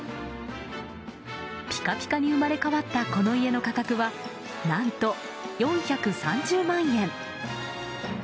ピカピカに生まれ変わったこの家の価格は何と４３０万円。